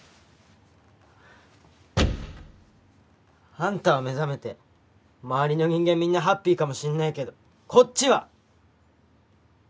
あんたは目覚めて周りの人間みんなハッピーかもしれないけどこっちは！